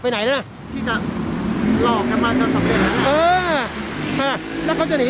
ไปไหนน่ะที่จะรอแค่บ้านก้าวสำเร็จเออค่ะแล้วเขาจะหนี